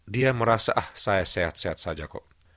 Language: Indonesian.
dia merasa ah saya sehat sehat saja kok